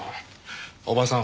伯母さん